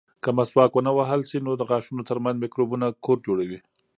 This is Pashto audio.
که مسواک ونه وهل شي، نو د غاښونو ترمنځ مکروبونه کور جوړوي.